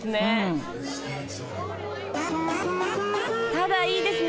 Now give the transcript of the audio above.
タダいいですね。